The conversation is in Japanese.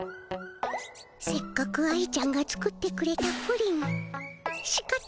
せっかく愛ちゃんが作ってくれたプリンしかたないの。